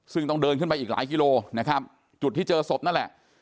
ซึ่งต้องเดินขึ้นไปอีกหลายกิโลนะครับจุดที่เจอศพนั่นแหละ